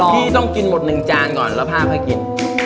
พี่ต้องกินหมดหนึ่งจานก่อนแล้วพ่อก็กิน